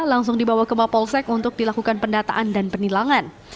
langsung dibawa ke mapolsek untuk dilakukan pendataan dan penilangan